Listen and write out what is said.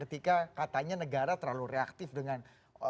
ketika katanya negara terlalu reaktif dengan